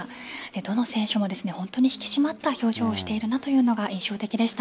どの選手も本当に引き締まった表情をしているなというのが印象的でした。